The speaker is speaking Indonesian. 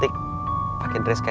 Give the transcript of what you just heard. aku mau ke rumah